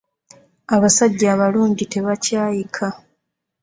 Abasajja abalungi tebakyayika.